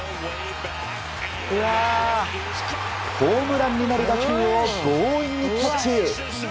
ホームランになる打球を強引にキャッチ！